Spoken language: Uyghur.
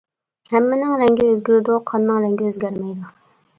ھەممىنىڭ رەڭگى ئۆزگىرىدۇ، قاننىڭ رەڭگى ئۆزگەرمەيدۇ.